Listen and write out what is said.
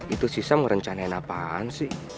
itu sam rencanain apaan sih